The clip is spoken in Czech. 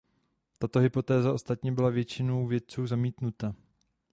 Tato hypotéza ostatně byla většinou vědců zamítnuta.